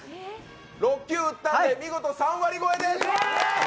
６球打ったので、見事３割超えです。